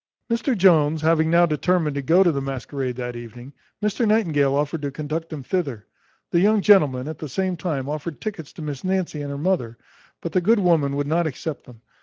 Mr Jones having now determined to go to the masquerade that evening, Mr Nightingale offered to conduct him thither. The young gentleman, at the same time, offered tickets to Miss Nancy and her mother; but the good woman would not accept them.